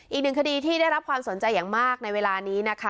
อีกหนึ่งคดีที่ได้รับความสนใจอย่างมากในเวลานี้นะคะ